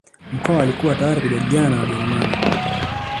Mkwawa alikuwa tayari kujadiliana na Wajerumani